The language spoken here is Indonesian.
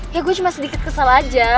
ya gue cuma sedikit kesal aja